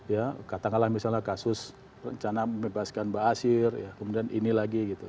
ya katakanlah misalnya kasus rencana membebaskan mbak asyir kemudian ini lagi gitu